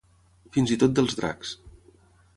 Fins i tot dels dracs.